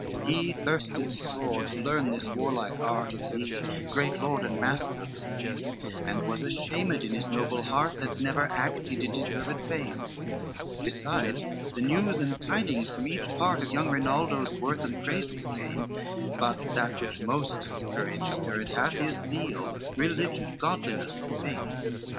VII "He thirsted sore to learn this warlike art Of thee, great lord and master of the same; And was ashamed in his noble heart, That never act he did deserved fame; Besides, the news and tidings from each part Of young Rinaldo's worth and praises came: But that which most his courage stirred hath, Is zeal, religion, godliness, and faith.